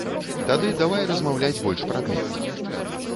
Тады давай размаўляць больш прадметна.